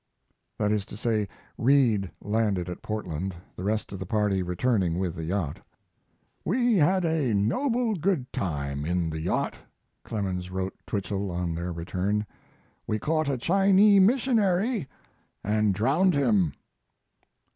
That is to say, Reed landed at Portland, the rest of the party returning with the yacht. "We had a noble good time in the yacht," Clemens wrote Twichell on their return. "We caught a Chinee missionary and drowned him."